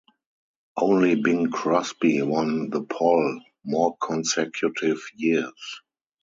Only Bing Crosby won the poll more consecutive years.